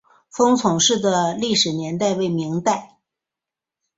封崇寺的历史年代为明代。